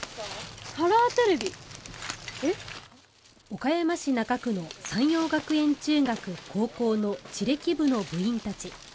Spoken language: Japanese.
岡山市中区の山陽学園中学高校の地歴部の部員たち。